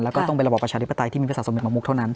แล้วก็ต้องเป็นระบบประชาฤติภัตรายที่มีภาษาสมมุติบังมุกเท่านั้น